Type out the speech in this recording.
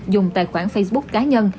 dùng tài khoản facebook cá nhân